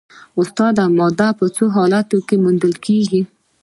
استاده ماده په څو حالتونو کې موندل کیږي